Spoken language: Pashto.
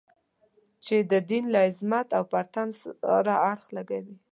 چې د دین له عظمت او پرتم سره اړخ لګوي.